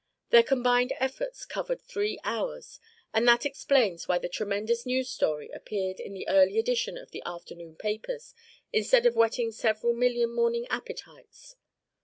Their combined efforts covered three hours; and that explains why the tremendous news story appeared in the early edition of the afternoon papers instead of whetting several million morning appetites.